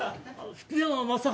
福山雅治